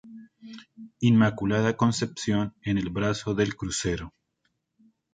Inmaculada Concepción en el brazo del crucero.